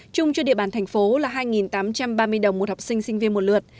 chung cho địa bàn thành phố là hai tám trăm ba mươi đồng một học sinh sinh viên một lượt